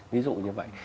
ví dụ như vậy